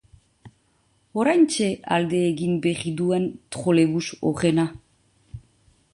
Oraintxe alde egin berri duen trolebus horrena...